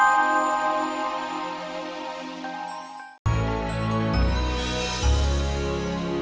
aku mau bercanda